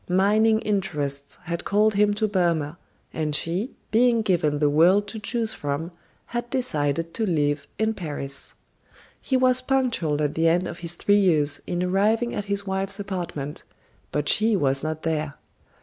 Mining interests had called him to Burma, and she, being given the world to choose from, had decided to live in Paris. He was punctual at the end of his three years in arriving at his wife's apartment, but she was not there.